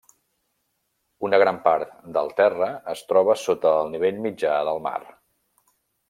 Una gran part del terra es troba sota el nivell mitjà del mar.